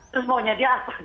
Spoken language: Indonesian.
terus maunya dia apa